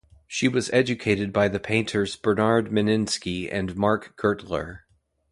She was educated by the painters Bernard Meninsky and Mark Gertler.